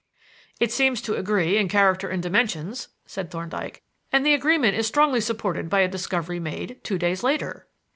"It seems to agree in character and dimensions," said Thorndyke, "and the agreement is strongly supported by a discovery made two days later."